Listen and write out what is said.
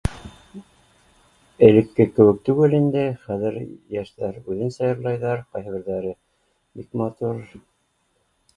Элекке кеүек түгел инде, хәҙер йәштәр үҙенсә йырлайҙар ҡайһы берҙәре бик матур